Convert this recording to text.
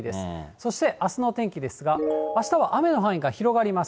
そしてあすのお天気ですが、あしたは雨の範囲が広がります。